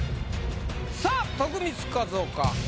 さあ徳光和夫か？